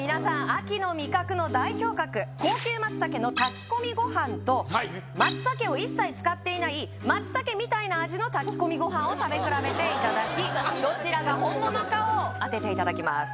秋の味覚の代表格高級松茸の炊き込みご飯と松茸を一切使っていない松茸みたいな味の炊き込みご飯を食べ比べていただきどちらが本物かを当てていただきます